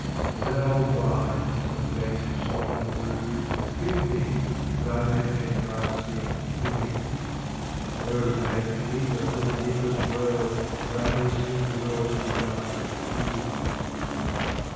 2 Of that old wine some vanished Sultan grew Give me, that I may paint life's scenes anew. Oh make me heedless of the heedless world That I may sing the world's desire to you.